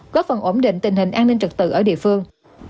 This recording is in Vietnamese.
góp phần ổn định tình hình an ninh trật tự ở địa phương